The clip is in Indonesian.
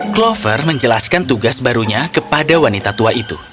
clover menjelaskan tugas barunya kepada wanita tua itu